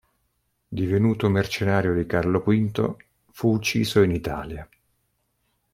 Divenuto mercenario di Carlo V, fu ucciso in Italia.